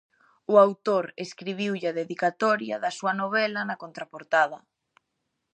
O autor escribiulle a dedicatoria da súa novela na contraportada.